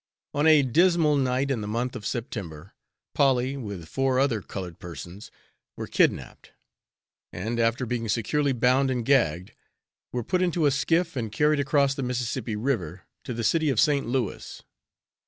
On a dismal night in the month of September, Polly, with four other colored persons, were kidnapped, and, after being securely bound and gagged, were put into a skiff and carried across the Mississippi River to the city of St. Louis.